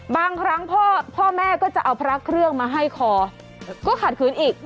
บางครั้งพ่อแม่ก็จะเอาพระเครื่องมาให้คอก็ขัดขืนอีก